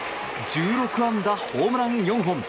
１６安打ホームラン４本。